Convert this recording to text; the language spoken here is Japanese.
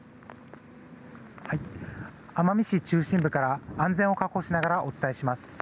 奄美市中心部から安全を確保しながらお伝えします。